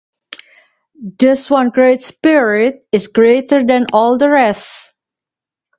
This one great spirit is greater than all the rest.